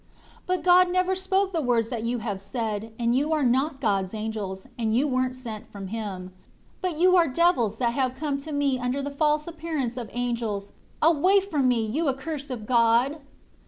3 But God never spoke the words that you have said; and you are not God's angels, and you weren't sent from Him. But you are devils that have come to me under the false appearance of angels. Away from me; you cursed of God!"